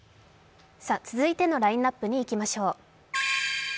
続いてのラインナップにいきましょう。